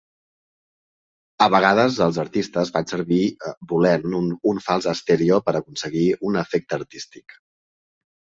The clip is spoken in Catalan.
A vegades els artistes fan servir volent un fals estèreo per aconseguir un efecte artístic.